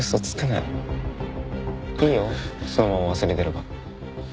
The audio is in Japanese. いいよそのまま忘れてれば。